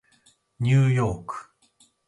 ニューヨーク